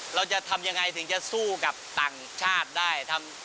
เราจะทำยังไงถึงจะสู้กับต่างชาติได้